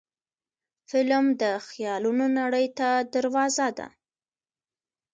فلم د خیالونو نړۍ ته دروازه ده